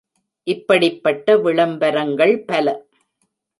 இப்படிப்பட்ட விளம்பரங்கள் பல.